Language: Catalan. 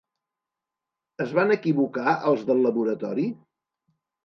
Es van equivocar els del laboratori?